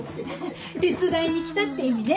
手伝いに来たって意味ね。